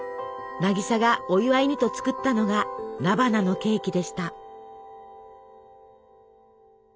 渚がお祝いにと作ったのが菜花のケーキでした。